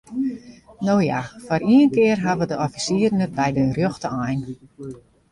No ja, foar ien kear hawwe de offisieren it by de rjochte ein.